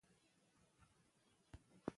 الهي امر ومانه